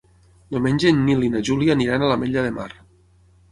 Diumenge en Nil i na Júlia aniran a l'Ametlla de Mar.